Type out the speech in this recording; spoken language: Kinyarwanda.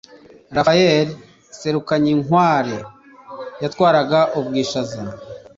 Rafaeli Serukenyinkware yatwaraga Ubwishaza